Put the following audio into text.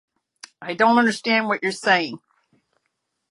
I don't understand what you are saying.